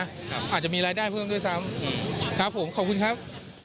อาจจะมีรายได้เพิ่มด้วยซ้ำครับผมขอบคุณครับ